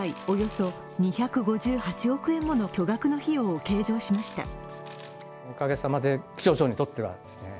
およそ２５８億円もの巨額の費用を計上しました。